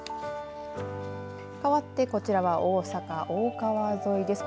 かわってこちらは大阪大川沿いです。